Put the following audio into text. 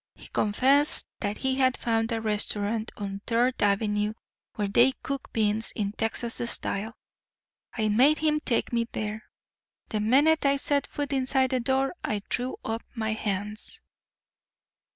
He confessed that he had found a restaurant on Third Avenue where they cooked beans in Texas style. I made him take me there. The minute I set foot inside the door I threw up my hands.